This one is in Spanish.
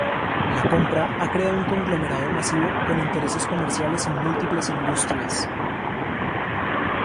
La compra ha creado un conglomerado masivo con intereses comerciales en múltiples industrias.